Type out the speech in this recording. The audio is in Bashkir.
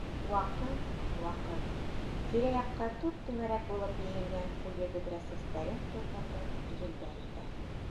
Ваҡыт-ваҡыт, тирә-яҡҡа түп-түңәрәк булып йәйелгән ҡуйы бөҙрә сәстәрен туҙғытып, елдәр иҫә.